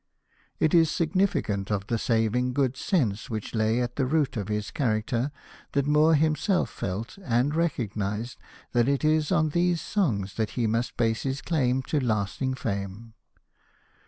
It is significant of the saving good sense which lay at the root of his character that Moore himself felt and recognised that it is on these songs that he must base his claim to lasting fame.